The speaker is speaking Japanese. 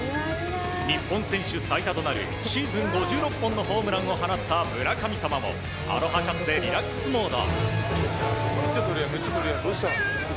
日本選手最多となるシーズン５６本のホームランを放った村神様もアロハシャツでリラックスモード。